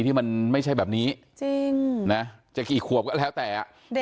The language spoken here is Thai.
ที่มันไม่ใช่แบบนี้จริงนะจะกี่ขวบก็แล้วแต่เด็ก